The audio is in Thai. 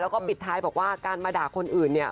แล้วก็ปิดท้ายบอกว่าการมาด่าคนอื่นเนี่ย